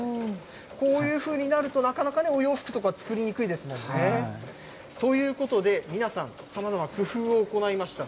こういうふうになると、なかなかね、お洋服とか、作りにくいですもんね。ということで、皆さん、さまざま工夫を行いました。